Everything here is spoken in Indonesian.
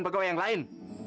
bagai yang lain